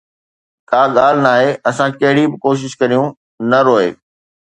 ڪا ڳالهه ناهي اسان ڪهڙي به ڪوشش ڪريون، نه روءِ